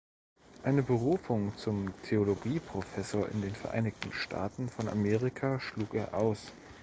Eine Berufung zum Theologieprofessor in den Vereinigten Staaten von Amerika schlug er aus.